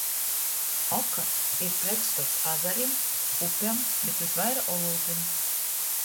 Oka ir pretstots azarim, upem, bet vysvaira olūtim.